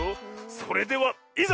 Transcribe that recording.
それではいざ！